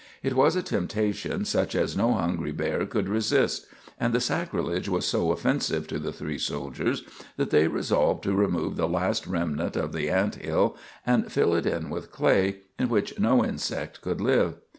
It was a temptation such as no hungry bear could resist, and the sacrilege was so offensive to the three soldiers that they resolved to remove the last remnant of the ant hill and fill it in with clay in which no insect could live.